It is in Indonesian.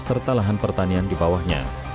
serta lahan pertanian di bawahnya